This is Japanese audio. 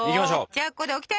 じゃあここでオキテ！